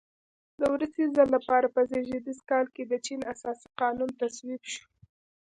د وروستي ځل لپاره په زېږدیز کال کې د چین اساسي قانون تصویب شو.